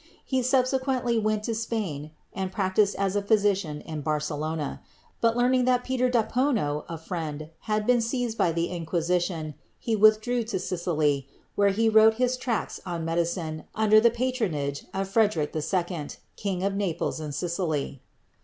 He subsequently went to Spain and practised as a physician in Barcelona, but learning that Peter d'Apono, a friend, had been seized by the Inquisition, he withdrew to Sicily, where he wrote his tracts on medicine under the patronage of Frederick II., King of Naples and Sicily.